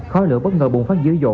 kho lửa bất ngờ bùng phát dưới dộ